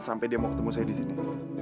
sampai dia mau ketemu saya di sini